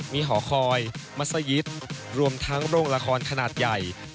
มีหอคอยมัศยิตรวมทั้งโรงละครขนาดใหญ่